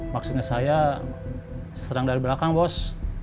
maksudnya saya serang dari belakang bos